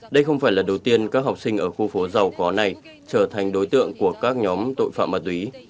đây không phải lần đầu tiên các học sinh ở khu phố giàu có này trở thành đối tượng của các nhóm tội phạm ma túy